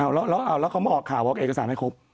แล้วเขาบอกข่าวเอาไอกษัตริย์ให้ครบ